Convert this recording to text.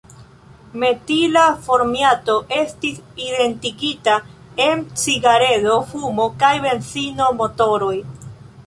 Metila formiato estis identigita en cigaredo-fumo kaj benzino-motoroj.